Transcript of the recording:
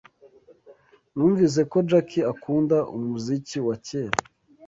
Numvise ko Jack akunda umuziki wa kera.